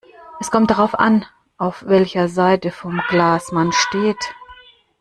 Es kommt darauf an, auf welcher Seite vom Glas man steht.